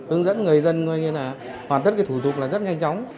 ứng dẫn người dân như thế này hoàn tất cái thủ tục là rất nhanh chóng